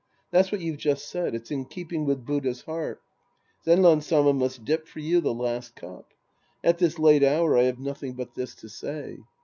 That's what you've just said. It's in keeping with Buddha's heart. Zenran Sama must dip for you the last cup. At tliis late hour, I have nothing but this to say.